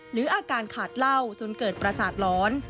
หรืออาการขาดเหล้าจนเกิดประสาทร้อน